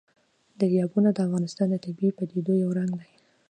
دریابونه د افغانستان د طبیعي پدیدو یو رنګ دی.